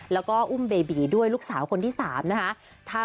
แล้วก็อุ้มเบบีด้วยลูกสาวคนที่๓นะคะ